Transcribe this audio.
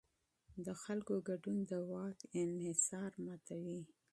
د خلکو ګډون د واک انحصار ماتوي